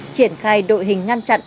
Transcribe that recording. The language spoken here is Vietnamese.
triển khai đội hình ngăn chặn